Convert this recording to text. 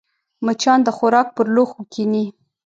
مچان د خوراک پر لوښو کښېني